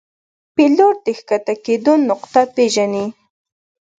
پیلوټ د ښکته کېدو نقطه پیژني.